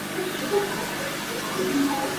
依喜多杰生于藏历火龙年藏东康地的米述。